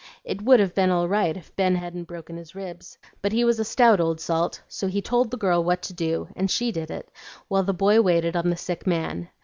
It would have been all right if Ben hadn't broken his ribs. But he was a stout old salt; so he told the girl what to do, and she did it, while the boy waited on the sick man.